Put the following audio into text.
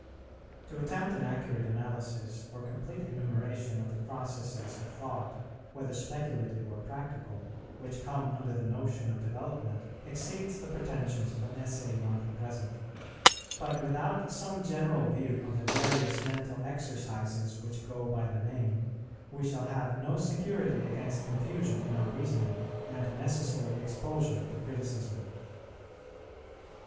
To attempt an accurate analysis or complete enumeration of the processes of thought, whether speculative or practical, which come under the notion of development, exceeds the pretensions of an Essay like the present; but, without some general view of the various mental exercises which go by the name we shall have no security against confusion in our reasoning and necessary exposure to criticism.